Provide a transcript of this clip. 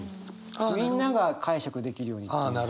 みんなが解釈できるようにっていう。